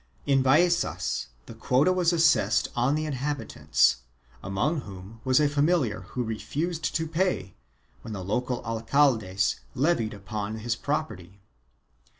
In Vallecas the quota was assessed on the inhabitants, among whom was a familiar who refused to pay, when the local alcaldes levied upon his property.